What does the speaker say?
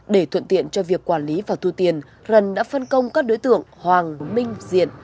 để thuận tiện cho việc quản lý và thu tiền luân đã phân công các đối tượng hoàng minh diện